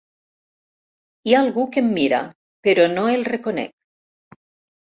Hi ha algú que em mira, però no el reconec.